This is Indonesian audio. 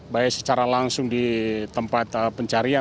baik secara langsung di tempat pencarian